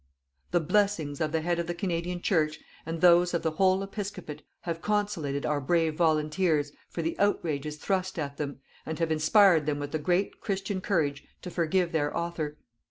The blessings of the Head of the Canadian Church and those of the whole Episcopate have consolated our brave volunteers for the outrages thrust at them, and have inspired them with the great Christian courage to forgive their author.